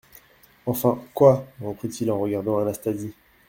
Enfin, quoi ? reprit-il en regardant Anastasie.